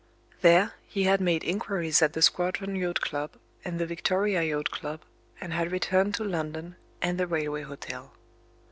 There, he had made inquiries at the Squadron Yacht Club, and the Victoria Yacht Club and had returned to London, and the railway hotel.